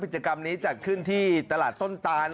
กิจกรรมนี้จัดขึ้นที่ตลาดต้นตาน